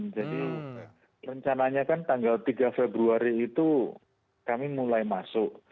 jadi rencananya kan tanggal tiga februari itu kami mulai masuk